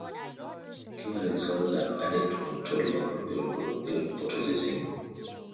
Curing salts are added to control microbial growth during processing.